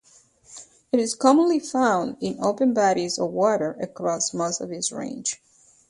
It is commonly found in open bodies of water across most of its range.